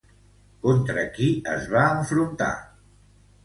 Contra qui es va enfrontar?